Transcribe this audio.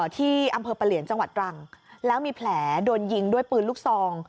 ที่อำเภอปะเหลียนจังหวัดตรังแล้วมีแผลโดนยิงด้วยปืนลูกซอง